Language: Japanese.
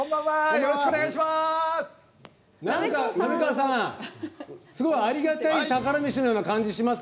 よろしくお願いします。